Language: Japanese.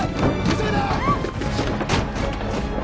急いで！